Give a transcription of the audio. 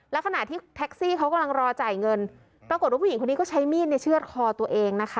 แล้วขณะที่แท็กซี่เขากำลังรอจ่ายเงินปรากฏว่าผู้หญิงคนนี้ก็ใช้มีดในเชื่อดคอตัวเองนะคะ